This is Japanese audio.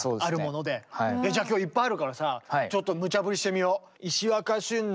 じゃあ今日いっぱいあるからさちょっとむちゃ振りしてみよう。